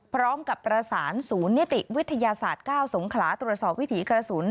พร้อมกับประสานศูนย์นิติวิทยาศาสตร์๙สงขลาตรวจสอบวิถีกระสุน